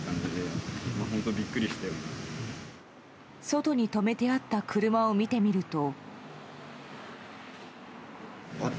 外に止めてあった車を見てみると。